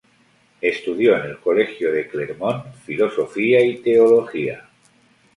Estudió en el Colegio de Clermont filosofía y teología.